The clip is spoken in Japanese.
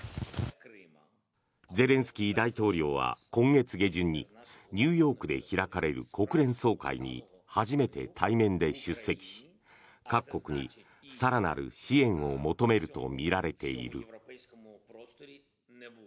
ゼレンスキー大統領は今月下旬にニューヨークで開かれる国連総会に初めて対面で出席し各国に更なる支援を求めるとみられている。